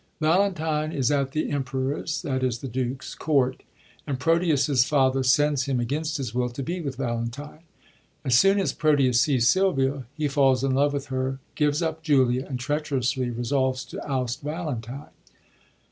Valentine is at the Emperor's (that is, the Duke's) court, and Proteus's father sends him, against his will, to be with Valentine. As soon as Proteus sees Sylvia, he falls in love with her, gives up Julia, and treacherously resolves to oust Valentine.